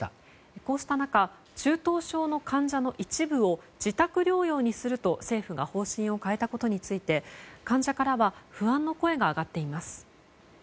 こうした中中等症の患者の一部を自宅療養にすると政府が方針を変えたことについて患者からは不安の声が上がっています。